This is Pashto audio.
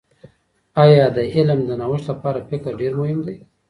آیا د علم د نوښت لپاره فکر ډېر مهم دي؟